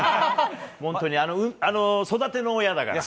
本当に、育ての親だから。